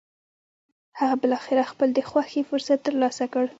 هغه بالاخره خپل د خوښې فرصت تر لاسه کړ.